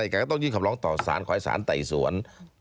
ก็ต้องยืดขำโรงต่อศาลขอยศาลไต่เศวน